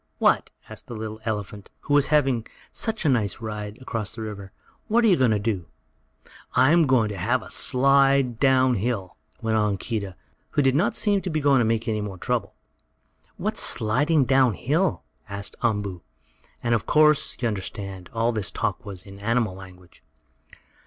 "What?" asked the little elephant who was having such a nice ride across the river. "What are you going to do?" "I am going to have a slide down hill," went on Keedah, who did not seem to be going to make any more trouble. "What's sliding down hill?" asked Umboo, and of course, you understand, all this talk was in animal language.